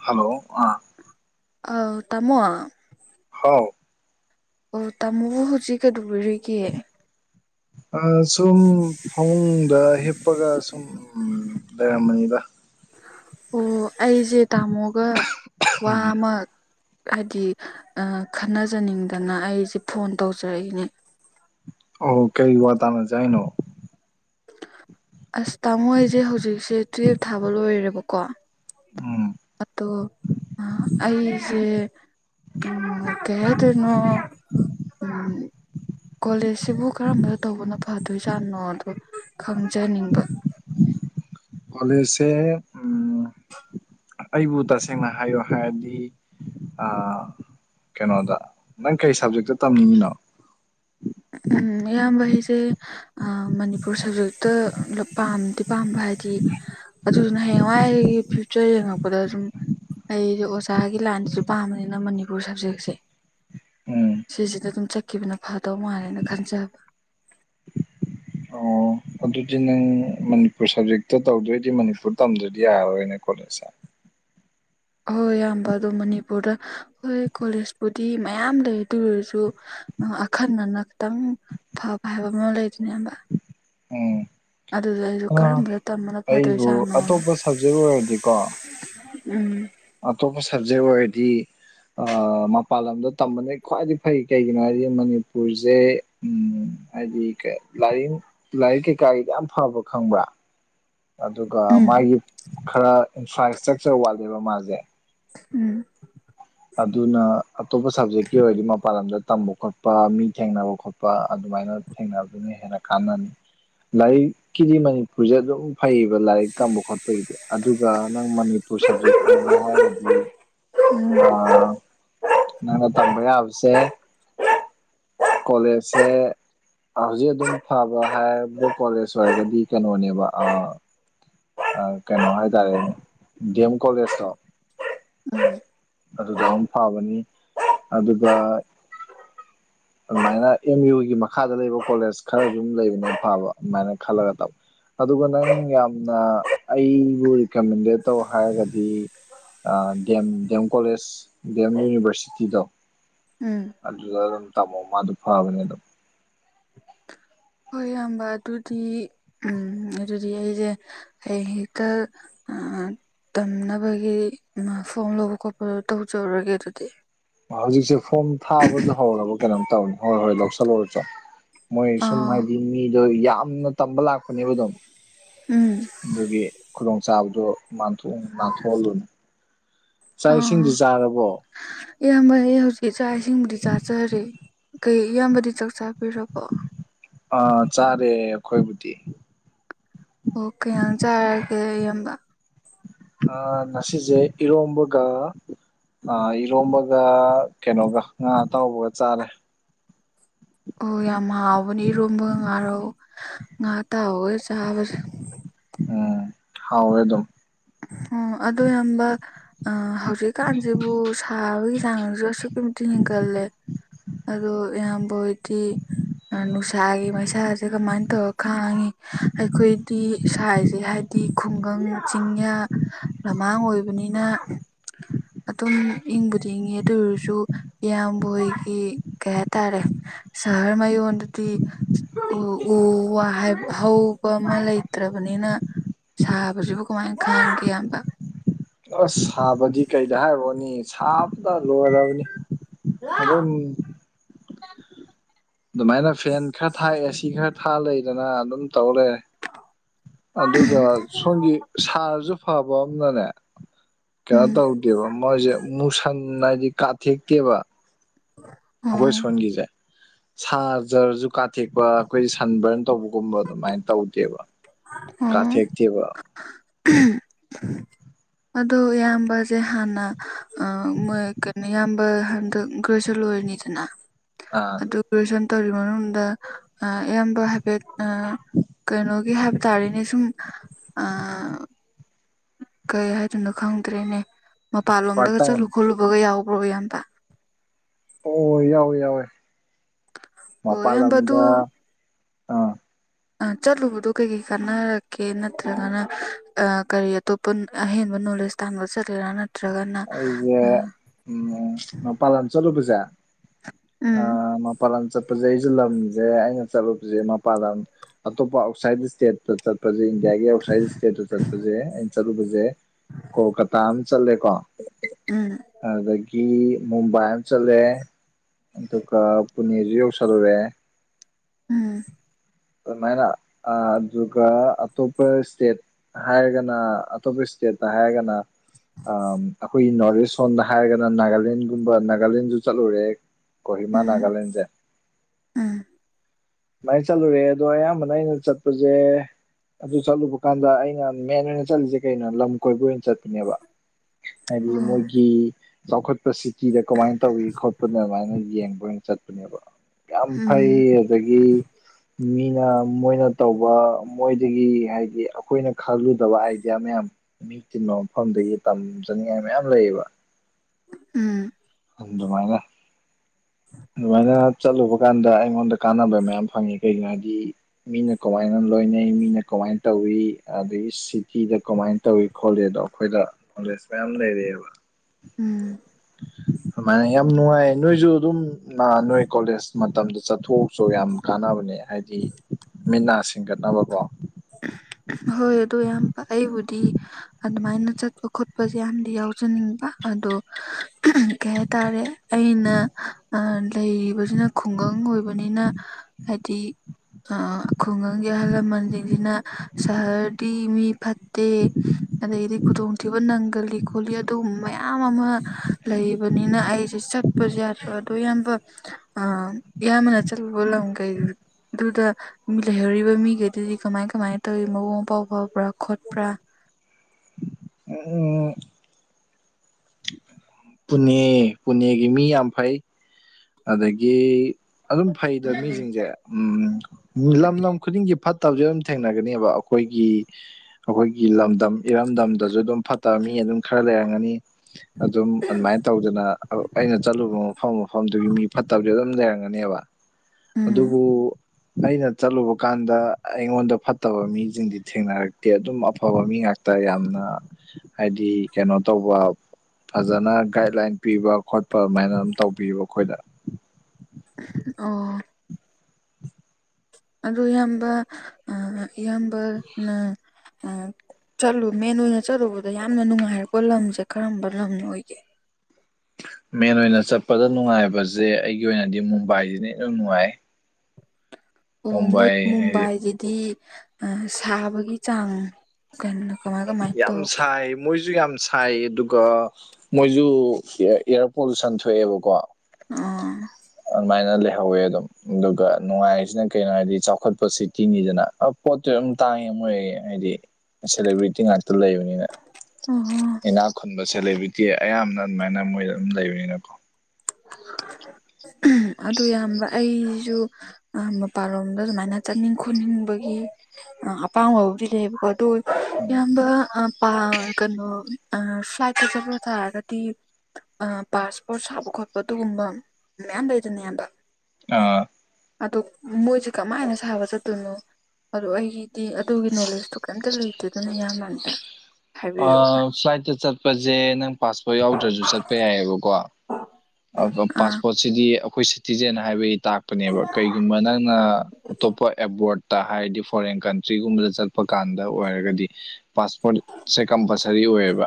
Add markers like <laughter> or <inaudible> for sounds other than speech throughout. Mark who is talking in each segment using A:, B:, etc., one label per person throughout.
A: hello ꯑ
B: ꯑꯥꯎ ꯇꯥꯃꯣ
A: ꯍꯥꯎ
B: ꯑꯣ ꯇꯥꯃꯣꯕꯨ ꯍꯧꯖꯤꯛ ꯀꯩꯗꯧꯕꯕꯤꯔꯤꯒꯦ
A: ꯁꯨꯝ ꯐꯃꯨꯡꯗ ꯍꯤꯞꯄꯒ ꯁꯨꯝ ꯂꯩꯔꯝꯃꯅꯤꯗ
B: ꯑꯣ ꯑꯩꯁꯦ ꯇꯥꯃꯣꯒ ꯋꯥ
A: ꯎꯝ
B: ꯑꯃ ꯍꯥꯏꯗꯤ ꯈꯟꯅꯖꯅꯤꯡꯗꯅ ꯑꯩꯁꯦ ꯐꯣꯟ ꯇꯧꯖꯔꯛꯏꯅꯦ
A: ꯑꯣ ꯀꯩꯔꯤ ꯋꯥ ꯇꯥꯟꯅ ꯆ ꯍꯥꯏꯅꯣ
B: ꯑꯁ ꯇꯥꯃꯣ ꯍꯁꯦ ꯍꯧꯖꯤꯛꯁꯦ ꯇꯨꯌꯦꯜꯞ ꯊꯥꯕ ꯂꯣꯏꯔꯦꯕꯀꯣ
A: ꯎ
B: ꯑꯣ ꯑꯩꯁꯦ ꯎꯝ ꯑꯣ ꯀꯦ ꯇꯅꯣ ꯎꯝ ꯀꯣꯂꯦꯖꯁꯤꯕꯨ ꯀꯔꯝꯕꯗ ꯇꯧꯕꯅ ꯐꯗꯣꯏꯖꯥꯠꯅꯣꯗꯣ ꯈꯪꯖꯅꯤꯡꯕ
A: ꯐꯂꯦꯁꯦ ꯎꯝ ꯑꯩꯕꯨ ꯇꯁꯦꯡꯅ ꯍꯥꯏꯌꯣ ꯍꯥꯏꯔꯗꯤ ꯑ ꯀꯩꯅꯣꯗ ꯅꯪ ꯀꯩ ꯁꯕꯖꯦꯛꯇ ꯇꯝꯅꯤꯡꯉꯤꯅꯣ
B: ꯎꯝ ꯏꯌꯥꯝꯕ ꯍꯩꯁꯦ ꯃꯅꯤꯄꯨꯔ ꯁꯕꯖꯦꯛꯇ ꯄꯥꯝꯗꯤ ꯄꯥꯝꯕ ꯍꯥꯏꯗꯤ ꯑꯗꯨꯗꯨꯅ ꯍꯌꯦꯡꯋꯥꯏ ꯑꯩꯒꯤ ꯐ꯭ꯌꯨꯆꯔ ꯌꯦꯡꯉꯛꯄꯗ ꯑꯗꯨꯝ ꯑꯩꯁꯦ ꯑꯣꯖꯥꯒꯤ ꯂꯥꯏꯟꯗꯁꯨ ꯄꯥꯝꯕꯅꯤꯅ ꯃꯅꯤꯄꯨꯔ ꯁꯕꯖꯦꯛꯁꯦ
A: ꯎꯝ
B: ꯁꯤꯁꯤꯗ ꯑꯗꯨꯝ ꯆꯠꯈꯤꯕꯅ ꯐꯥꯗꯧ ꯃꯥꯜꯂꯦꯅ ꯈꯟꯖꯕ
A: ꯑꯣ ꯑꯗꯨꯗꯤ ꯅꯪ ꯃꯅꯤꯄꯨꯔ ꯁꯕꯖꯦꯛꯇ ꯇꯧꯗꯣꯏꯗꯤ ꯃꯅꯤꯄꯨꯔ ꯇꯝꯗ꯭ꯔꯗꯤ ꯌꯥꯔꯔꯣꯏꯅꯦ ꯀꯣꯂꯦꯖꯇ
B: ꯑꯣꯏ ꯑꯌꯥꯝꯕ ꯑꯗꯣ ꯃꯅꯤꯄꯨꯔꯗ ꯍꯣꯏ ꯀꯣꯂꯦꯖꯄꯨꯗꯤ ꯃꯌꯥꯝ ꯂꯩ ꯑꯗꯨ ꯑꯣꯏꯔꯁꯨ ꯑꯈꯟꯅꯅ ꯈꯤꯇꯪ ꯐꯕ ꯍꯥꯏꯕ ꯑꯃ ꯂꯩꯗꯅꯦꯕ
A: ꯎꯝ
B: ꯀꯔꯝꯕꯗ ꯇꯝꯕꯅ
A: ꯑꯩꯕꯨ
B: ꯐꯗꯣꯏꯖꯥꯠꯅꯣꯅ
A: ꯑꯇꯣꯞꯄ ꯁꯕꯖꯦꯛ ꯑꯣꯏꯔꯗꯤꯀꯣ
B: ꯎꯝ
A: ꯑꯇꯣꯞꯄ ꯁꯕꯖꯦꯛ ꯑꯣꯏꯗꯤ ꯑ ꯃꯄꯥꯟ ꯂꯝꯗ ꯇꯝꯕꯅꯦ ꯈ꯭ꯋꯥꯏꯗꯒꯤ ꯐꯩ ꯀꯩꯒꯤꯅꯣ ꯍꯥꯏꯗꯤ ꯃꯅꯤꯄꯨꯔꯁꯦ ꯎꯝ ꯍꯥꯏꯗꯤ ꯂꯥꯏꯔꯤꯛ ꯂꯥꯏꯔꯤꯛ ꯀꯩꯀꯥꯒꯤꯗꯤ ꯌꯥꯝ ꯐꯕ ꯈꯪꯕ꯭ꯔꯥ ꯑꯗꯨꯒ
B: ꯎꯝ
A: ꯃꯥꯒꯤ ꯈꯔ ꯏꯟꯐ꯭ꯔꯥꯏ ꯏꯁꯇ꯭ꯔꯛꯆꯔ ꯋꯥꯠꯂꯦꯕ ꯃꯥꯁꯦ
B: ꯎꯝ
A: ꯑꯗꯨꯅ ꯑꯇꯣꯞꯄ ꯁꯕꯖꯦꯛꯀꯤ ꯑꯣꯏꯔꯗꯤ ꯃꯄꯥꯟ ꯂꯝꯗ ꯇꯝꯕ ꯈꯣꯠꯄ ꯃꯤ ꯊꯦꯡꯅꯕ ꯈꯣꯠꯄ ꯑꯗꯨꯃꯥꯏꯅ ꯊꯦꯡꯅꯕꯗꯨꯅ ꯍꯦꯟꯅ ꯀꯥꯟꯅꯅꯤ ꯂꯥꯏꯔꯤꯛꯀꯤꯗꯤ ꯃꯅꯤꯄꯨꯔꯁꯦ ꯑꯗꯨꯝ ꯐꯩꯕ ꯂꯥꯏꯔꯤꯛ ꯇꯝꯕ ꯈꯣꯠꯄꯒꯤꯗꯤ ꯑꯗꯨꯒ ꯅꯪ ꯃꯅꯤꯄꯨꯔ ꯁꯕꯖꯦꯛ ꯐꯪꯒꯦ ꯍꯥꯏꯔꯒꯗꯤ
B: ꯎꯝ
A: ꯑ ꯅ ꯇꯕꯤ ꯍꯧꯁꯦ ꯀꯣꯂꯦꯖꯦ ꯍꯧꯖꯤꯛ ꯑꯗꯨꯝ ꯐꯕ ꯍꯥꯏꯕ ꯀꯣꯂꯦꯖ ꯑꯣꯏꯔꯒꯗꯤ ꯀꯩꯅꯣꯅꯦꯕ ꯑꯥ ꯑ ꯀꯩꯅꯣ ꯍꯥꯏꯇꯥꯔꯦ ꯗꯤꯦꯝ ꯀꯣꯂꯦꯖ ꯊ
B: ꯎꯝ
A: ꯑꯗꯨꯗ ꯑꯗꯨꯝ ꯐꯕꯅꯤ ꯑꯗꯨꯒ
B: <inaudible> <inaudible> <inaudible> <inaudible> <inaudible>
A: ꯑꯗꯨꯃꯥꯏꯅ ꯑꯦꯝ ꯌꯨꯒꯤ ꯃꯈꯥꯗ ꯂꯩꯕ ꯀꯣꯂꯦꯖ ꯈꯔꯁꯨ ꯑꯗꯨꯝ ꯂꯩꯕꯅꯦ ꯐꯥꯕ ꯑꯗꯨꯃꯥꯏꯅ ꯈꯜꯂꯒ ꯇꯧ ꯑꯗꯨꯒ ꯅꯪ ꯌꯥꯝꯅ ꯑꯩꯕꯨ ꯔꯤꯀꯃꯦꯟꯗꯦꯠ ꯇꯧ ꯍꯥꯏꯔꯒꯗꯤ ꯑꯥ ꯗꯦꯝ ꯗꯦꯝ ꯀꯣꯂꯦꯖ ꯗꯦꯝ ꯌꯨꯅꯤꯚꯔꯁꯤꯇꯤꯗꯣ
B: ꯎꯝ
A: ꯑꯗꯨꯗꯥ ꯑꯗꯨꯝ ꯇꯝꯃꯣ ꯃꯥꯗꯣ ꯐꯥꯕꯅꯤ ꯑꯗꯨꯝ
B: ꯍꯣꯏ ꯏꯌꯥꯝꯕ ꯑꯗꯨꯗꯤ ꯎꯝ ꯑꯗꯨꯗꯤ ꯑꯩꯖꯦ ꯍꯌꯦꯡ ꯍꯦꯛꯇꯥ ꯑꯥ ꯇꯝꯅꯕꯒꯤ ꯃꯥ ꯐꯣꯔꯝ ꯂꯧꯕ ꯈꯣꯠꯄ ꯇꯧꯖꯧꯔꯒꯦ ꯑꯗꯨꯗꯤ
A: ꯑꯥ ꯍꯧꯖꯤꯛꯁꯦ ꯐꯣꯔꯝ ꯊꯥꯕꯖꯨ ꯍꯧꯔꯕ ꯀꯩꯅꯣꯝ ꯇꯧꯅꯤ ꯍꯣꯏ ꯍꯣꯏ ꯂꯧꯁꯤꯜꯂꯨꯔꯣꯆꯣ ꯃꯣꯏ ꯁꯨꯝ
B: ꯑꯥ
A: ꯍꯥꯏꯗꯤ ꯃꯤꯗꯣ ꯌꯥꯝꯅ ꯇꯝꯕ ꯂꯥꯛꯄꯅꯦꯕ ꯑꯗꯨꯝ
B: ꯎꯝ
A: ꯑꯗꯨꯒꯤ ꯈꯨꯗꯣꯡ ꯆꯕꯗꯨ ꯃꯥꯟꯊꯣ ꯅꯥꯟꯊꯣꯛꯍꯜꯂꯨꯅꯨ ꯆꯥꯛ
B: ꯑꯥ
A: ꯏꯁꯤꯡꯗꯤ ꯆꯥꯔꯕꯣ
B: ꯏꯌꯥꯝꯕ ꯑꯩ ꯍꯧꯖꯤꯛ ꯆꯥꯛ ꯏꯁꯤꯡꯕꯨꯗꯤ ꯆꯥꯖꯔꯦ ꯀꯩ ꯏꯌꯥꯝꯕꯗꯤ ꯆꯥꯛ ꯆꯥꯕꯤꯔꯕꯣ
A: ꯑꯥ ꯆꯥꯔꯦ ꯑꯩꯈꯣꯏꯕꯨꯗꯤ
B: ꯑꯣ ꯀꯩꯉꯥꯡ ꯆꯥꯔꯒꯦ ꯑꯌꯥꯝꯕ
A: ꯑꯥ ꯉꯁꯤꯁꯦ ꯏꯔꯣꯝꯕꯒ ꯑꯥ ꯏꯔꯣꯝꯕꯒ ꯀꯩꯅꯣꯒ ꯉꯥ ꯑꯇꯥꯎꯕꯒ ꯆꯥꯔꯦ
B: ꯑꯣ ꯌꯥꯝ ꯍꯥꯎꯕꯅꯦ ꯏꯔꯣꯝꯕꯒ ꯉꯥꯔꯣ ꯉꯥ ꯑꯇꯥꯎꯕꯒ ꯆꯥꯕꯖꯦ
A: ꯎꯝ ꯍꯥꯎꯋꯦ ꯑꯗꯨꯝ
B: ꯑꯣ ꯑꯗꯨ ꯏꯌꯥꯝꯕ ꯑꯥ ꯍꯧꯖꯤꯛꯀꯥꯟꯖꯤꯕꯨ ꯁꯥꯕꯒꯤ ꯆꯥꯡꯖꯨ ꯑꯁꯨꯛꯀꯤ ꯃꯇꯤꯛ ꯍꯦꯟꯒꯠꯂꯦ ꯑꯗꯣ ꯏꯌꯥꯝꯕ ꯍꯣꯏꯗꯤ ꯅꯨꯡꯁꯥꯒꯤ ꯃꯩꯁꯥꯖꯦ ꯀꯃꯥꯏꯟ ꯇꯧꯔ ꯈꯥꯡꯉꯤ ꯑꯩꯈꯣꯏꯗꯤ ꯁꯥꯏꯖꯦ ꯍꯥꯏꯗꯤ ꯈꯨꯡꯒꯪ ꯆꯤꯡꯌꯥ ꯂꯝꯃꯥꯡ ꯑꯣꯏꯕꯅꯤꯅ ꯑꯗꯨꯝ ꯏꯪꯕꯨꯗꯤ ꯏꯪꯉꯤ ꯑꯗꯨ ꯑꯣꯏꯔꯖꯨ ꯏꯌꯥꯝꯕ ꯍꯣꯏꯒꯤ ꯀꯩ ꯍꯥꯏꯇꯥꯔꯦ ꯁꯍꯔ ꯃꯌꯣꯟꯗꯨꯗꯤ ꯎ ꯎ ꯋꯥ ꯍꯥꯏ ꯍꯧꯕ ꯑꯃ ꯂꯩꯇ꯭ꯔꯥꯕꯅꯤꯅ ꯁꯥꯕꯖꯤꯕꯨ ꯀꯃꯥꯏꯟ ꯈꯪꯒꯦ ꯏꯌꯥꯝꯕ
A: ꯑꯁ ꯁꯥꯕꯗꯤ ꯀꯩꯗ ꯍꯥꯏꯔꯣꯅꯤ ꯁꯥꯕꯗ ꯂꯣꯏꯔꯕꯅꯤ ꯑꯗꯨꯝ ꯑꯗꯨꯃꯥꯏꯅ ꯐꯦꯟ ꯈꯔ ꯊꯥꯏ ꯑꯦꯁꯤ ꯈꯔ ꯊꯥ ꯂꯩꯗꯅ ꯑꯗꯨꯝ ꯇꯧ ꯂꯩꯔꯦ ꯑꯗꯨꯒ ꯁꯣꯝꯒꯤ ꯁꯥꯔꯖꯨ ꯐꯕ ꯑꯝꯅꯅꯦ ꯀꯩꯅꯣ
B: ꯎꯝ
A: ꯇꯧꯗꯦꯕ ꯃꯣꯏꯖꯦ ꯃꯨꯁꯟ ꯍꯥꯏꯗꯤ ꯀꯥꯊꯦꯛꯇꯦꯕ
B: <inaudible>
A: ꯑꯩꯈꯣꯏ ꯁꯣꯟꯒꯤꯖꯦ ꯁꯥꯖꯔꯖꯨ ꯀꯥꯊꯦꯛꯄ ꯑꯩꯈꯣꯏ ꯁꯟꯕꯔꯟ ꯇꯧꯕꯒꯨꯝꯕ ꯑꯗꯨꯃꯥꯏꯟ ꯇꯧꯗꯦꯕ ꯀꯥꯊꯦꯛꯇꯦꯕ
B: ꯎꯝ ꯑꯗꯣ ꯏꯌꯥꯝꯕꯖꯦ ꯍꯥꯟꯅ ꯑꯥ ꯃꯣꯏ ꯀꯩꯅꯣ ꯌꯥꯝ ꯍꯟꯗꯛ ꯒ꯭ꯔꯦꯖꯦꯁꯟ ꯂꯣꯏꯔꯤꯅꯤꯗꯅ
A: ꯑꯥ
B: ꯑꯗꯨ ꯒ꯭ꯔꯦꯖꯦꯁꯟ ꯇꯧꯔꯤ ꯃꯅꯨꯡꯗ ꯑꯥ ꯏꯌꯥꯝꯕ ꯍꯥꯏꯐꯦꯠ ꯑꯥ ꯀꯩꯅꯣꯒꯤ ꯍꯥꯏꯕ ꯇꯥꯔꯦꯅꯦ ꯁꯨꯝ ꯑꯥ ꯀꯩ ꯍꯥꯏꯗꯣꯅꯣ ꯈꯪꯗ꯭ꯔꯦꯅꯦ
A: ꯄꯥꯔꯠ
B: ꯃꯄꯥꯟꯂꯣꯝꯗꯒ
A: ꯇꯥꯏꯝ
B: ꯆꯠꯂꯨ ꯈꯣꯠꯂꯨꯕꯒ ꯌꯥꯎꯕ꯭ꯔꯣ ꯏꯌꯥꯝꯕ
A: ꯑꯣ ꯌꯥꯎꯋꯦ ꯌꯥꯎꯋꯦ
B: ꯑꯣ
A: ꯃꯄꯜ
B: ꯏꯌꯥꯝꯕ ꯑꯗꯨ
A: ꯂꯝꯗ ꯑꯥ
B: ꯑꯥ ꯆꯠꯂꯨꯕꯗꯣ ꯀꯩ ꯀꯩ ꯀꯥꯟꯅꯔꯛꯀꯦ ꯅꯠꯇ꯭ꯔꯥꯒꯅ ꯑꯥ ꯀꯔꯤ ꯑꯇꯣꯞ ꯄꯨꯟ ꯑꯍꯦꯟꯕ ꯅꯣꯂꯦꯖ ꯇꯥꯟꯕ ꯆꯠꯂꯤꯔꯥ ꯅꯠ
A: ꯑꯩꯁꯦ ꯎꯝ ꯄꯜꯟ ꯆꯂꯨ ꯄꯖꯥ ꯑ
B: ꯎꯝ
A: ꯃꯄꯂꯥꯟ ꯆꯠꯄꯁꯦ ꯑꯩꯁꯨꯦ ꯂꯝꯁꯦ ꯑꯩꯅ ꯆꯠꯂꯨꯕꯁꯦ ꯃꯄꯥꯟꯂꯥꯟ ꯑꯇꯣꯞꯄ ꯑꯥꯎꯠꯁꯥꯏꯠ ꯗ ꯏꯁꯇꯦꯠꯇ ꯆꯠꯄꯁꯦ ꯏꯟꯗꯤꯌꯥꯒꯤ ꯑꯥꯎꯠꯁꯥꯏꯠ ꯏꯁꯇꯦꯠꯇ ꯆꯠꯄꯁꯦ ꯑꯩꯅ ꯆꯠꯂꯨꯕꯁꯦ ꯀꯣꯜꯀꯇꯥ ꯑꯃ ꯆꯜꯂꯦꯀꯣ
B: ꯎꯝ
A: ꯑꯗꯒꯤ ꯃꯨꯝꯕꯥꯏ ꯑꯃ ꯆꯠꯂꯦ ꯑꯗꯨꯒ ꯄꯨꯅꯦꯁꯨ ꯌꯧꯁꯜꯂꯨꯔꯦ
B: ꯎꯝ
A: ꯑꯗꯨꯃꯥꯏꯅ ꯑꯗꯨꯒ ꯑꯇꯣꯞꯄ ꯏꯁꯇꯦꯠ ꯍꯥꯏꯔꯒꯅ ꯑꯇꯣꯞꯄ ꯏꯁꯇꯦꯠꯇ ꯍꯥꯏꯔꯒꯅ ꯑ ꯑꯩꯈꯣꯏꯒꯤ ꯅꯣꯔꯠ ꯏꯁ ꯁꯣꯟꯗ ꯍꯥꯏꯔꯒꯅ ꯅꯥꯒꯥꯂꯦꯟꯒꯨꯝꯕ ꯅꯥꯒꯥꯂꯦꯟꯁꯨ ꯆꯠꯂꯨꯔꯦ ꯀꯣꯍꯤꯃꯥ
B: ꯎꯝ
A: ꯅꯒꯥꯂꯦꯟꯁꯦ
B: ꯎꯝ
A: ꯑꯗꯨꯨꯃꯥꯏꯅ ꯆꯠꯂꯨꯔꯦ ꯑꯗꯣ ꯑꯌꯥꯝꯕꯅ ꯑꯩꯅ ꯆꯠꯄꯁꯦ ꯑꯗꯨ ꯆꯠꯂꯨꯕ ꯀꯥꯟꯗ ꯑꯩꯅ ꯃꯦꯟ ꯑꯣꯏꯅ ꯆꯠꯂꯤꯁꯦ ꯀꯩꯅꯣ ꯂꯝ ꯀꯣꯏꯕ ꯑꯣꯏꯅ ꯆꯠꯄꯅꯦꯕ ꯍꯥꯏꯗꯤ ꯃꯣꯏꯒꯤꯤ ꯆꯥꯎꯈꯠꯄ ꯁꯤꯇꯤꯗ ꯀꯃꯥꯏꯅ ꯇꯧꯋ ꯈꯣꯠꯄꯅ ꯑꯗꯨꯃꯥꯏꯅ ꯌꯦꯡꯕ ꯑꯣꯏꯅ ꯆꯠꯄꯅꯦꯕ ꯌꯥꯝ
B: ꯎꯝ
A: ꯐꯩ ꯑꯗꯒꯤ ꯃꯤꯅ ꯃꯣꯏꯅ ꯇꯧꯕ ꯃꯣꯏꯗꯒꯤ ꯍꯥꯏꯗꯤ ꯑꯩꯈꯣꯏꯅ ꯈꯜꯂꯨꯗꯕ ꯑꯥꯏꯗꯤꯌꯥ ꯃꯌꯥꯝ ꯃꯤ ꯇꯤꯟꯕ ꯃꯐꯝꯗꯒꯤ ꯇꯝꯖꯅꯤꯡꯉꯥꯏ ꯃꯌꯥꯝ ꯂꯩꯌꯦꯕ
B: ꯎꯝ
A: ꯑꯗꯨꯃꯥꯏꯅ ꯑꯗꯨꯃꯥꯏꯅ ꯆꯠꯂꯨꯕ ꯀꯥꯟꯗ ꯑꯩꯉꯣꯟꯗ ꯀꯥꯟꯅꯕ ꯃꯌꯥꯝ ꯐꯪꯉꯤ ꯀꯩꯒꯤꯅꯣ ꯍꯥꯏꯗꯤ ꯃꯤꯅ ꯀꯃꯥꯏꯅ ꯂꯣꯏꯅꯩ ꯃꯤꯅ ꯀꯃꯥꯏꯅ ꯇꯧꯋ ꯑꯗꯒꯤ ꯁꯤꯇꯤꯗ ꯀꯃꯥꯏꯅ ꯇꯧꯋꯤ ꯈꯣꯂꯦꯗꯣ ꯑꯩꯈꯣꯏꯗ ꯀꯣꯂꯦꯖ ꯃꯌꯥꯝ ꯂꯩꯔꯛꯑꯦꯕ
B: ꯎꯝ
A: ꯑꯗꯨꯃꯥꯏꯅ ꯌꯥꯝ ꯅꯨꯡꯉꯥꯏ ꯅꯣꯏꯖꯨ ꯑꯗꯨꯝ ꯅꯣꯏ ꯀꯣꯂꯦꯖ ꯃꯇꯝꯗ ꯆꯠꯊꯣꯛꯑꯁꯨ ꯌꯥꯝ ꯀꯥꯟꯅꯕꯅꯦ ꯍꯥꯏꯗꯤ ꯃꯤꯠꯅꯥ ꯁꯤꯡꯒꯠꯅꯕꯀꯣ
B: ꯍꯣꯏ ꯑꯗꯨ ꯌꯥꯝꯌꯥꯝꯕ ꯑꯩꯕꯨꯗꯤ ꯑꯗꯨꯃꯥꯏꯅ ꯆꯠꯄ ꯈꯣꯠꯄꯁꯦ ꯌꯥꯝꯗꯤ ꯌꯥꯎꯖꯟꯅꯤꯡꯕ ꯑꯗꯣ ꯀꯩ ꯍꯥꯏꯇꯥꯔꯦ ꯑꯩꯅ ꯂꯩꯔꯤꯕꯁꯤꯅ ꯈꯨꯡꯒꯪ ꯑꯣꯏꯕꯅꯤꯅ ꯍꯥꯏꯗꯤ ꯈꯨꯡꯒꯪꯒꯤ ꯑꯍꯜ ꯂꯃꯟꯁꯤꯡ ꯑꯗꯨꯅ ꯁꯥꯗꯤ ꯃꯤ ꯐꯠꯇꯦ ꯑꯗꯒꯤꯗꯤ ꯈꯨꯗꯣꯡꯊꯤꯕ ꯅꯪꯒꯜꯂꯤ ꯈꯣꯂꯤ ꯑꯗꯨꯒꯨꯝꯕ ꯃꯌꯥꯝ ꯑꯃ ꯂꯩꯕꯅꯤꯅ ꯑꯩꯁꯦ ꯆꯠꯄꯁꯨ ꯌꯥꯗ꯭ꯔꯣ ꯑꯗꯣ ꯑꯌꯥꯝꯕ ꯑ ꯏꯌꯥꯝꯕꯅ ꯆꯠꯂꯨꯕ ꯂꯝꯒꯩꯗꯨꯗ ꯃꯤ ꯂꯩꯍꯧꯔꯤꯕ ꯃꯤꯈꯩꯗꯨꯗꯤ ꯀꯃꯥꯏ ꯀꯃꯥꯏ ꯇꯣꯏ ꯏꯃꯧ ꯄꯥꯎꯕꯕ꯭ꯔ ꯈꯣꯠ ꯄꯨ꯭ꯔꯥ
A: ꯎ ꯎꯝ ꯄꯨꯅꯦ ꯄꯨꯅꯦꯒꯤ ꯃꯤ ꯌꯥꯝ ꯐꯩ ꯑꯗꯒꯤ ꯑꯗꯨꯝ ꯐꯩꯗ꯭ꯔ ꯃꯤꯁꯤꯡꯁꯦ ꯎꯝ ꯂꯝ ꯂꯝ ꯈꯨꯗꯤꯡꯒꯤ ꯐꯠꯇꯕꯁꯨ ꯑꯗꯨꯝ ꯊꯦꯡꯅꯒꯅꯦꯕ ꯑꯩꯈꯣꯏꯒꯤ ꯑꯩꯈꯣꯏꯒꯤ ꯂꯝꯗꯝ ꯏꯔꯝꯗꯝꯗꯁꯨ ꯑꯗꯨꯝ ꯐꯠꯇꯕ ꯃꯤ ꯑꯗꯨꯝ ꯈꯔ ꯂꯩꯔꯝꯒꯅꯤ ꯑꯗꯨꯝ ꯑꯗꯨꯃꯥꯏꯅ ꯇꯧꯗꯅ ꯑꯩꯅ ꯆꯠꯂꯨꯕ ꯃꯐꯝ ꯃꯐꯝꯗꯨꯒꯤ ꯃꯤ ꯐꯠꯇꯕꯁꯨ ꯑꯗꯨꯝ ꯂꯩꯔꯝꯒꯅꯦꯕ
B: ꯎꯝ
A: ꯑꯗꯨꯕꯨ ꯑꯩꯅ ꯆꯠꯂꯨꯕꯀꯥꯟꯗ ꯑꯩꯉꯣꯟꯗ ꯐꯠꯇꯕ ꯃꯤꯁꯤꯡꯗꯤ ꯊꯦꯡꯅꯔꯛꯇꯦ ꯑꯗꯨꯝ ꯑꯐꯕ ꯃꯤ ꯉꯥꯛꯇ ꯇ ꯌꯥꯝꯅ ꯍꯥꯏꯗꯤ ꯀꯩꯅꯣ ꯇꯧꯕ ꯐꯖꯅ ꯒꯥꯏꯗꯂꯥꯏꯟ ꯄꯤꯕ ꯈꯣꯠꯄ ꯑꯗꯨꯃꯥꯏꯅ ꯑꯗꯨꯝ ꯇꯧꯕꯤꯌꯨ ꯑꯩꯈꯣꯏꯗ
B: ꯑꯣ ꯑꯗꯨ ꯏꯌꯥꯝꯕ ꯏꯌꯥꯝꯕꯅ ꯑ ꯆꯠꯂꯨ ꯃꯦꯟ ꯑꯣꯏꯅ ꯆꯠꯂꯨꯕꯗ ꯌꯥꯝꯅ ꯅꯨꯡꯉꯥꯏꯔꯛꯄ ꯂꯝꯁꯦ ꯀꯔꯝꯕ ꯂꯝꯅꯣ ꯑꯣꯏꯒꯦ
A: ꯃꯦꯟ ꯑꯣꯏꯅ ꯆꯠꯄꯗ ꯅꯨꯡꯉꯥꯏꯕꯁꯦ ꯑꯩꯒꯤ ꯑꯣꯏꯅꯗꯤ ꯃꯨꯝꯕꯥꯏꯁꯤꯅ ꯏꯅꯨꯡ ꯅꯨꯡꯉꯥꯏ
B: ꯑꯣ
A: ꯃꯨꯝꯕꯥꯏ ꯍꯥꯏꯗꯤ
B: ꯃꯨꯝꯕꯥꯏꯗꯗꯤ ꯁꯥꯕꯒꯤ ꯆꯥꯡ ꯀꯩꯅꯣ ꯀꯃꯥꯏ ꯀꯃꯥꯏꯅ
A: ꯌꯥꯝ
B: ꯇꯧꯒꯦ
A: ꯁꯥꯏ ꯃꯣꯏꯁꯨ ꯌꯥꯝ ꯁꯥꯏ ꯁꯥꯏ ꯑꯗꯨꯒ ꯃꯣꯏꯁꯨ ꯏꯌꯥꯔ ꯄꯣꯂꯨꯁꯟ ꯊꯣꯛꯑꯦꯕꯀꯣ
B: ꯑꯥ
A: ꯑꯗꯨꯃꯥꯏꯅ ꯂꯩꯍꯧꯋꯦ ꯑꯗꯨꯝ ꯑꯗꯨꯒ ꯅꯨꯡꯉꯥꯏꯔꯤꯁꯤꯅ ꯀꯩꯅꯣ ꯍꯥꯏꯗꯤ ꯆꯥꯎꯈꯠꯄ ꯁꯤꯇꯤꯅꯤꯗꯅ ꯄꯣꯠꯇꯨ ꯑꯗꯨꯝ ꯇꯥꯡꯉꯦ ꯃꯣꯏ ꯍꯥꯏꯗꯤ ꯁꯦꯂꯦꯕ꯭ꯔꯤꯇꯤ ꯉꯥꯛꯇ ꯂꯩꯕꯅꯤꯅ
B: <unintelligible>
A: ꯏꯅꯥꯛ ꯈꯨꯟꯕ ꯁꯦꯂꯦꯕꯔꯤꯇꯤ ꯑꯌꯥꯝꯅ ꯑꯗꯨꯃꯥꯏꯅ ꯃꯣꯏꯗ ꯑꯗꯨꯝ ꯂꯩꯅꯤꯅꯀꯣ
B: ꯑꯗꯨ ꯌꯥꯝꯕ ꯑꯩꯁꯨ ꯃꯄꯥꯟꯂꯣꯝꯗ ꯁꯨꯃꯥꯏꯅ ꯆꯠꯅꯤꯡ ꯈꯣꯠꯅꯤꯡꯕꯒꯤ ꯑꯄꯥꯝꯕꯕꯨꯗꯤ ꯂꯩꯌꯦꯕꯀꯣ ꯑꯗꯨ
A: ꯎꯝ
B: ꯏꯌꯥꯝꯕ ꯑꯥ ꯄꯥ ꯀꯩꯅꯣ ꯑꯥ ꯐ꯭ꯂꯥꯏꯠꯇ ꯆꯠꯄ ꯇꯥꯔꯒꯗꯤ ꯄꯥꯔꯁꯄꯣꯔꯠ ꯁꯥꯕ ꯈꯣꯠꯄ ꯑꯗꯨꯒꯨꯝꯕ ꯃꯌꯥꯝ ꯂꯩꯗꯅ ꯏꯌꯥꯝꯕ
A: ꯑꯥ
B: ꯑꯗꯣ ꯃꯣꯏꯁꯦ ꯀꯃꯥꯏꯅ ꯁꯥꯕ ꯆꯠꯇꯣꯏꯅꯣ ꯑꯗꯣ ꯑꯩꯒꯤ ꯑꯩꯗꯤ ꯑꯗꯨꯒꯤ ꯅꯣꯂꯦꯖꯇꯨ ꯀꯩꯝꯇ ꯂꯩꯇꯦ ꯑꯗꯨꯅ ꯏꯌꯥꯝꯕ ꯑꯝꯇ ꯍꯥꯏꯕꯤꯔꯛꯎꯕ
A: ꯑꯥ ꯐ꯭ꯂꯥꯏꯠꯇ ꯆꯠꯄꯁꯦ ꯅꯪ ꯄꯥꯁꯄꯣꯔꯠ ꯌꯥꯎꯗ꯭ꯔꯁꯨ ꯆꯠꯄ ꯌꯥꯏꯌꯦꯕ ꯀꯣ ꯑ
B: ꯑꯥ
A: ꯄꯥꯁꯄꯣꯠꯁꯤꯗꯤ ꯑꯩꯈꯣꯏ ꯁꯤꯇꯤꯖꯦꯟ ꯍꯥꯏꯕꯒꯤ ꯇꯥꯛꯄꯅꯦꯕ ꯀꯩꯒꯨꯝꯕ ꯅꯪꯅ ꯑꯇꯣꯞꯄ ꯑꯦꯕꯣꯔꯗ ꯇ ꯍꯥꯏꯔꯗꯤ ꯐꯣꯔꯦꯟ ꯀꯟꯇ꯭ꯔꯤꯒꯨꯝꯕꯗ ꯆꯠꯄ ꯀꯥꯟꯗ ꯑꯣꯏꯔꯒꯗꯤ ꯄꯥꯁꯄꯣꯔꯠ ꯀꯝꯄꯜꯁꯔꯤ ꯑꯣꯏꯕ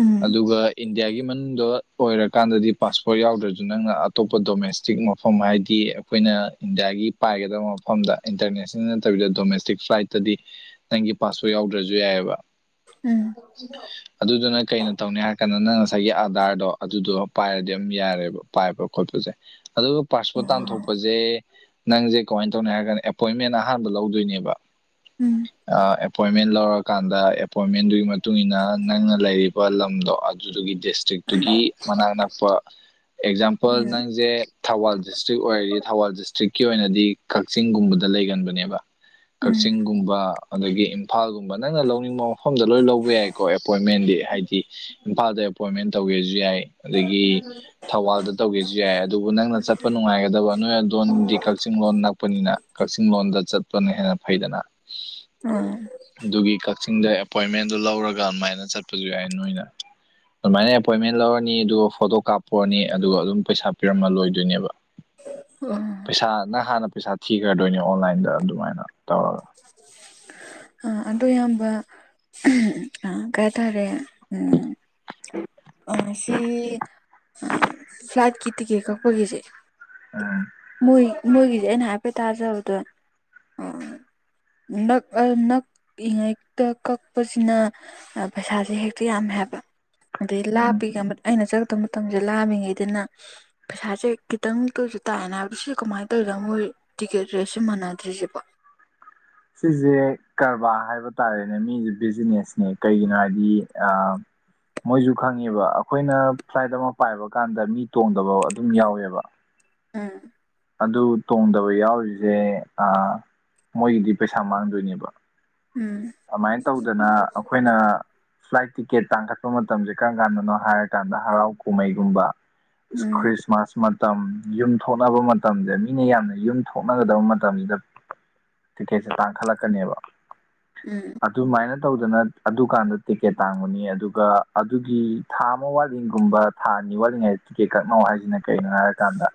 B: ꯎꯝ
A: ꯑꯗꯨꯒ ꯏꯟꯗꯤꯌꯥꯒꯤ ꯃꯅꯨꯡꯗ ꯑꯣꯏꯔꯀꯥꯟꯗꯗꯤ ꯄꯥꯁꯄꯣꯔꯠ ꯌꯥꯎꯗ꯭ꯔꯁꯨ ꯅꯪꯅ ꯑꯇꯣꯞꯄ ꯗꯣꯃꯦꯁꯇꯤꯛ ꯃꯐꯝ ꯍꯥꯏꯗꯤ ꯑꯩꯈꯣꯏꯅ ꯏꯟꯗꯤꯌꯥꯒꯤ ꯄꯥꯏꯒꯗꯕ ꯃꯐꯝꯗ ꯏꯟꯇꯔꯅꯦꯁꯅꯦꯜ ꯅꯠꯇꯕꯤꯗ ꯗꯣꯃꯦꯁꯇꯤꯛ ꯐ꯭ꯂꯥꯏꯠꯇꯗꯤ ꯅꯪꯒꯤ ꯄꯥꯁꯄꯣꯔꯠ ꯌꯥꯎꯗ꯭ꯔꯁꯨ ꯌꯥꯏꯕ
B: ꯎꯝ
A: ꯑꯗꯨꯗꯨꯅ ꯀꯩꯅꯣ ꯇꯧꯅꯤ ꯍꯥꯏꯔ ꯀꯥꯟꯗ ꯅꯪ ꯉꯁꯥꯏꯒꯤ ꯑꯥꯗꯥꯔꯗꯣ ꯑꯗꯨꯗꯣ ꯄꯥꯏꯔꯗꯤ ꯑꯗꯨꯝ ꯌꯥꯔꯦꯕ ꯄꯥꯏꯕ ꯈꯣꯠꯄꯁꯦ ꯑꯗꯣ ꯄꯥꯥꯁꯄꯣꯔꯠ
B: ꯑꯣ
A: ꯇꯥꯟꯊꯣꯛꯄꯁꯦ ꯅꯪꯁꯦ ꯀꯃꯥꯏꯅ ꯇꯧꯅꯤ ꯍꯥꯏꯔ ꯀꯥꯟꯗ ꯑꯦꯄꯣꯏꯟꯃꯦꯟ ꯑꯍꯥꯟꯕ ꯂꯧꯗꯣꯏꯅꯦꯕ
B: ꯎꯝ
A: ꯑ ꯑꯦꯄꯣꯏꯟꯃꯦꯟ ꯂꯧꯔꯀꯥꯟꯗ ꯑꯦꯄꯣꯏꯟꯃꯦꯟꯗꯨꯒꯤ ꯃꯇꯨꯡ ꯏꯟꯅ ꯅꯪꯅ ꯂꯩꯔꯤꯕ ꯂꯝꯗꯣ ꯑꯗꯨꯗꯨꯒꯤ ꯗꯤꯁꯇ꯭ꯔꯤꯛꯇꯨꯒꯤ ꯃꯅꯥꯛ ꯅꯛꯄ ꯑꯦꯛꯖꯥꯝꯄꯜ
B: ꯎꯝ ꯎꯝ
A: ꯅꯪꯁꯦ ꯊꯧꯕꯥꯜ ꯗꯤꯁꯇ꯭ꯔꯤꯛ ꯑꯣꯏꯔꯗꯤ ꯊꯧꯕꯥꯜ ꯗꯤꯁꯇ꯭ꯔꯤꯛꯀꯤ ꯑꯣꯏꯅꯗꯤ ꯀꯛꯆꯤꯡꯒꯨꯝꯕꯗ ꯂꯩꯒꯟꯕꯅꯦꯕ ꯀꯛꯆꯤꯡꯒꯨꯝꯕ ꯑꯗꯒꯤ ꯏꯝꯐꯥꯜꯒꯨꯝꯕ ꯅꯪꯅ ꯂꯧꯅꯤꯡꯕ ꯃꯐꯝꯗ ꯂꯣꯏ ꯂꯧꯕ ꯌꯥꯏꯀꯣ ꯑꯦꯄꯣꯏꯟꯃꯦꯟꯗꯤ ꯍꯥꯏꯗꯤ ꯏꯝꯐꯥꯜꯗ ꯑꯦꯄꯣꯏꯟꯃꯦꯟ ꯇꯧꯒꯦꯁꯨ ꯌꯥꯏ ꯑꯗꯒꯤ ꯊꯧꯕꯥꯜꯗ ꯇꯧꯒꯦꯁꯨ ꯌꯥꯏ ꯑꯗꯨꯕꯨ ꯅꯪꯅ ꯆꯠꯄ ꯅꯨꯡꯉꯥꯏꯒꯗꯕ ꯅꯣꯏ ꯑꯗꯣꯝꯗꯤ ꯀꯛꯆꯤꯡ ꯂꯣꯝ ꯅꯛꯄꯅꯤꯅ ꯀꯛꯆꯤꯡ ꯂꯣꯝꯗ ꯆꯠꯄꯅ ꯍꯦꯟꯅ ꯐꯩꯗꯅ
B: ꯑꯥ
A: ꯑꯗꯨꯒꯤ ꯀꯛꯆꯤꯡꯗ ꯑꯦꯄꯣꯏꯟꯃꯦꯟꯗꯨ ꯂꯧꯔꯒ ꯑꯗꯨꯃꯥꯏꯅ ꯆꯠꯄꯁꯨ ꯌꯥꯏ ꯅꯣꯏꯅ ꯑꯗꯨꯃꯥꯏꯅ ꯑꯦꯄꯣꯏꯟꯃꯦꯟ ꯂꯧꯔꯅꯤ ꯑꯗꯨꯒ ꯐꯣꯇꯣ ꯀꯥꯞꯄꯣꯅꯤ ꯑꯗꯨꯒ ꯑꯗꯨꯝ ꯄꯩꯁꯥ ꯄꯤꯔꯝꯃ ꯂꯣꯏꯗꯣꯏꯅꯦꯕ
B: ꯑꯣ
A: ꯄꯩꯁꯥ ꯅꯪ ꯍꯥꯟꯅ ꯄꯩꯁꯥ ꯊꯤꯒ꯭ꯔꯗꯣꯏꯅꯦ ꯑꯣꯟꯂꯥꯏꯟꯗ ꯑꯗꯨꯃꯥꯏꯅ ꯇꯧꯔꯒ
B: ꯑ ꯑꯗꯨ ꯏꯌꯥꯝꯕ ꯎꯝ ꯑ ꯀꯩ ꯍꯥ ꯇꯥꯔꯦ ꯎꯝ ꯑꯁꯤ ꯑꯥ ꯐ꯭ꯂꯥꯏꯠꯀꯤ ꯇꯤꯛꯀꯦꯠ ꯀꯛꯄꯒꯤꯖꯦ
A: ꯎꯝ
B: ꯃꯣꯏ ꯃꯣꯏꯒꯤꯖꯦ ꯑꯩꯅ ꯍꯥꯏꯐꯦꯠ ꯇꯥꯖꯕꯗ ꯑꯥ ꯅꯛ ꯑ ꯅꯛꯏꯉꯩꯇ ꯀꯛꯄꯁꯤꯅ ꯑ ꯄꯩꯁꯥꯁꯦ ꯍꯦꯛꯇ ꯌꯥꯝꯃꯦ ꯍꯥꯏꯕ ꯑꯗꯩ
A: ꯎꯝ
B: ꯂꯥꯞꯄꯤꯀꯟꯕꯗ ꯑꯩꯅ ꯆꯠꯀꯗꯕ ꯃꯇꯝꯁꯦ ꯂꯥꯝꯃꯤ ꯉꯩꯗꯅ ꯄꯩꯁꯥꯁꯦ ꯈꯤꯇꯪꯇ ꯑꯣꯏꯁꯨ ꯇꯥꯟꯅꯕ ꯁꯤ ꯀꯃꯥꯏꯅ ꯇꯧꯏꯖꯥ ꯃꯣꯏ ꯇꯤꯀꯦꯠ ꯔꯦꯠꯁꯦ ꯃꯥꯟꯅꯗ꯭ꯔꯤꯖꯤꯕꯣ
A: ꯁꯤꯖꯦ ꯀꯔꯕꯥ ꯍꯥꯏꯕ ꯇꯥꯔꯦꯅꯦ ꯃꯤꯒꯤ ꯕꯤꯖꯤꯅꯦꯁꯅꯦ ꯀꯩꯒꯤꯅꯣ ꯍꯥꯏꯗꯤ ꯑꯥ ꯃꯣꯏꯖꯨ ꯈꯪꯉꯦꯕ ꯑꯩꯈꯣꯏꯅ ꯐ꯭ꯂꯥꯏꯠ ꯑꯃ ꯄꯥꯏꯕ ꯀꯥꯟꯗ ꯃꯤ ꯇꯣꯡꯗꯕ ꯑꯗꯨꯝ ꯌꯥꯎꯋꯦꯕ
B: ꯎꯝ
A: ꯑꯗꯨ ꯇꯣꯡꯗꯕ ꯌꯥꯎꯔꯤꯖꯦ ꯑꯥ ꯃꯣꯏꯒꯤꯗꯤ ꯄꯩꯁꯥ ꯃꯥꯡꯗꯣꯏꯅꯦꯕ
B: ꯎꯝ
A: ꯑꯃꯥꯏꯟ ꯇꯧꯗꯅ ꯑꯈꯣꯏꯅ ꯐ꯭ꯂꯥꯏꯠ ꯇꯤꯀꯦꯠ ꯇꯥꯡꯈꯠꯄ ꯃꯇꯝꯖꯦ ꯀꯔꯝ ꯀꯥꯟꯗꯅꯣ ꯍꯥꯏꯔ ꯀꯥꯟꯗ ꯍꯔꯥꯎ ꯀꯨꯝꯍꯩꯒꯨꯝꯕ
B: ꯎꯝ
A: ꯈ꯭ꯔꯤꯁꯃꯥꯁ ꯃꯠ ꯇꯝ ꯌꯨꯝ ꯊꯣꯛꯅꯕ ꯃꯇꯝꯖꯦ ꯃꯤꯅ ꯌꯥꯝꯅ ꯌꯨꯝ ꯊꯣꯛꯅꯒꯗꯕ ꯃꯇꯝꯖꯤꯗ ꯇꯤꯛꯀꯦꯠꯁꯦ ꯇꯥꯡꯈꯠꯂꯛꯀꯅꯦꯕ
B: ꯎꯝ
A: ꯑꯗꯨꯃꯥꯏꯅ ꯇꯧꯗꯥꯅ ꯑꯗꯨꯀꯥꯟꯗꯥ ꯇꯤꯀꯦꯠ ꯇꯥꯡꯕꯅꯤ ꯑꯗꯨꯒꯥ ꯑꯗꯨꯒꯤ ꯊꯥ ꯑꯃꯥ ꯋꯥꯠꯂꯤꯡꯒꯨꯝꯕ ꯊꯥ ꯑꯅꯤ ꯋꯥꯠꯂꯤꯉꯩꯗ ꯇꯤꯀꯦꯠ ꯀꯛꯅꯧ ꯍꯥꯏꯁꯤꯅ ꯀꯩꯒꯤꯅꯣ ꯍꯥꯏꯔꯀꯥꯟꯗꯥ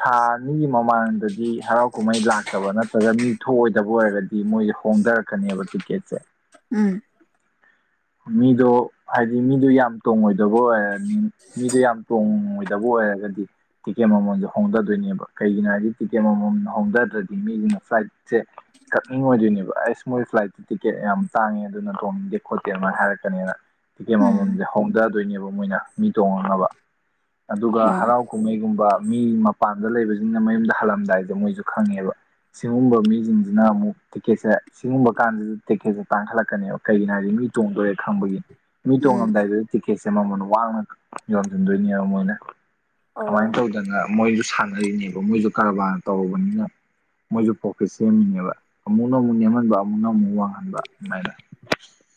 A: ꯊꯥ ꯑꯅꯤꯒꯤ ꯃꯃꯥꯡꯗꯗꯤ ꯍꯔꯥꯎ ꯀꯨꯝꯍꯩ ꯂꯥꯛꯇꯕ ꯅꯠꯇ꯭ꯔꯒ ꯃꯤ ꯊꯣꯛꯑꯣꯏꯗꯕ ꯕ ꯑꯣꯏꯔꯒꯗꯤ ꯃꯣꯏꯁꯦ ꯍꯣꯡꯗꯔꯛꯀꯅꯤꯕ ꯇꯤꯀꯦꯠꯁꯦ
B: ꯎꯝ
A: ꯃꯤꯗꯣ ꯍꯥꯏꯗꯤ ꯃꯤꯗꯣ ꯌꯥꯝ ꯇꯣꯡꯉꯣꯏꯗꯕ ꯑꯣꯏꯔꯅꯤ ꯃꯤꯗꯣ ꯌꯥꯝ ꯇꯣꯡꯉꯣꯏꯗꯕ ꯑꯣꯏꯔꯒꯗꯤ ꯇꯤꯀꯦꯠ ꯃꯃꯟꯖꯦ ꯍꯣꯡꯗꯗꯣꯏꯅꯦꯕ ꯀꯩꯒꯤꯅꯣ ꯍꯥꯏꯔꯗꯤ ꯇꯤꯀꯦꯠ ꯃꯃꯟ ꯍꯣꯡꯗ꯭ꯔꯗꯗꯤ ꯃꯤꯗꯨꯅ ꯐ꯭ꯂꯥꯏꯠ ꯁꯦ ꯀꯛꯅꯤꯡꯉꯣꯏꯗꯣꯏꯅꯦꯕ ꯑꯥꯏꯁ ꯃꯣꯏ ꯐ꯭ꯂꯥꯏꯠꯇꯤ ꯇꯤꯀꯦꯠ ꯌꯥꯝ ꯇꯥꯡꯉꯦ ꯑꯗꯨꯅ ꯇꯣꯡꯅꯤꯡꯗꯦ ꯈꯣꯠꯇꯦ ꯑꯗꯨꯃꯥꯏ ꯍꯥꯏꯔꯛꯀꯥꯅꯤꯅ ꯇꯤꯀꯦꯠ
B: ꯎꯝ
A: ꯃꯥꯃꯟꯖꯦ ꯍꯣꯡꯗꯗꯣꯏꯅꯦꯕ ꯃꯣꯏꯅ ꯃꯤ ꯇꯣꯡꯉꯛꯅꯕ ꯑꯗꯨꯒ
B: ꯑꯣ
A: ꯍꯔꯥꯎ ꯀꯨꯝꯃꯩꯒꯨꯝꯕ ꯃꯤ ꯃꯄꯥꯟꯗ ꯂꯩꯕꯖꯤꯡꯅ ꯃꯌꯨꯝꯗ ꯍꯜꯂꯝꯗꯥꯏꯗ ꯃꯣꯏꯖꯨ ꯈꯪꯉꯦꯕ ꯁꯤꯒꯨꯝꯕ ꯃꯤꯖꯤꯡꯖꯤꯅ ꯑꯃꯨꯛ ꯇꯤꯀꯦꯠꯁꯦ ꯁꯤꯒꯨꯝꯕ ꯀꯥꯟꯁꯤꯗ ꯇꯦꯀꯦꯠꯁꯦ ꯇꯥꯡꯈꯠꯂꯛꯀꯅꯦꯕ ꯀꯩꯒꯤꯅꯣ ꯍꯥꯏꯕꯗꯤ ꯃꯤ ꯇꯣꯡꯗꯣꯔꯦ ꯈꯪꯕꯒꯤ ꯃꯤ
B: ꯎꯝ
A: ꯇꯣꯡꯉꯝꯗꯥꯏꯗꯨꯗꯥ ꯇꯤꯀꯦꯠꯁꯦ ꯃꯃꯜ ꯋꯥꯡꯅ ꯌꯣꯟꯁꯤꯟꯗꯣꯏꯅꯦꯕ ꯃꯣꯏꯅ
B: ꯑꯣ
A: ꯑꯗꯨꯃꯥꯏꯟ ꯇꯧꯗꯥꯅ ꯃꯣꯏꯖꯨ ꯁꯥꯟꯅꯔꯤꯅꯦꯕ ꯃꯣꯏꯁꯨ ꯀꯔꯕꯥꯔ ꯇꯧꯕꯅꯤꯅ ꯃꯣꯏꯁꯨ ꯄ꯭ꯔꯣꯐꯤꯠ ꯁꯦꯝꯃꯤꯅꯦꯕ ꯑꯃꯨꯛꯅꯥ ꯑꯃꯨꯛ ꯅꯦꯝꯍꯟꯕ ꯑꯃꯨꯛꯅ ꯑꯃꯨꯛ ꯋꯥꯡꯍꯟꯕ ꯑꯗꯨꯃꯥꯏꯅ